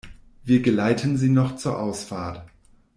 Wir geleiten Sie noch zur Ausfahrt.